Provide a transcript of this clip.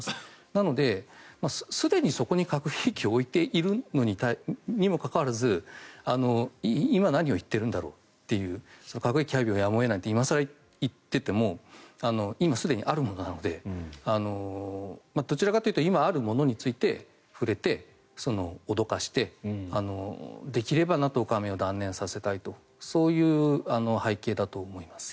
なので、すでに核兵器を置いているにもかかわらず今何を言っているんだろうという核兵器配備もやむを得ないと今更言っても今、すでにあるものなのでどちらかというと今あるものについて触れて脅かしてできればＮＡＴＯ加盟を断念させたいとそういう背景だと思います。